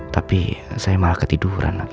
tapi saya malah ketiduran